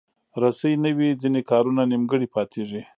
رسۍ نه وي، ځینې کارونه نیمګړي پاتېږي.